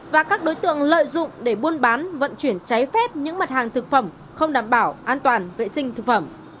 và các đối tượng lợi dụng để buôn bán vận chuyển cháy phép những mặt hàng thực phẩm không đảm bảo an toàn vệ sinh thực phẩm